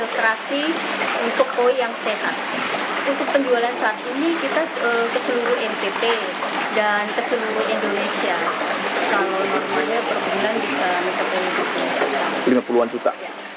kalau normalnya per bulan bisa mencapai lima puluh juta